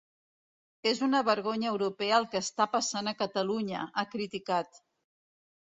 És una vergonya europea el que està passant a Catalunya, ha criticat.